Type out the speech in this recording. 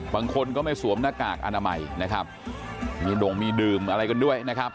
บางคนก็ไม่สวมหน้ากากอนามัยนะครับมีดงมีดื่มอะไรกันด้วยนะครับ